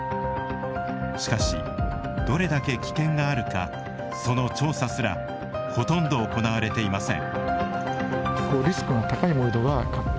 しかしどれだけ危険があるかその調査すらほとんど行われていません。